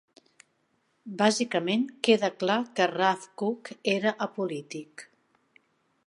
Bàsicament, queda clar que Rav Kook era apolític.